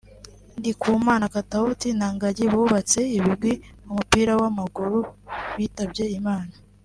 Ndikumana Katauti na Gangi bubatse ibigwi mu mupira w’amaguru bitabye Imana